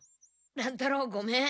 乱太郎ごめん。